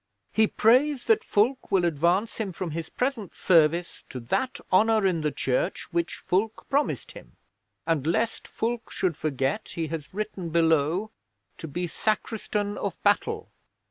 '"He prays that Fulke will advance him from his present service to that honour in the Church which Fulke promised him. And lest Fulke should forget, he has written below, 'To be Sacristan of Battle'."